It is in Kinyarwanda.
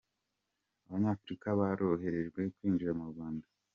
Abanyafurika boroherejwe kwinjira mu Rwanda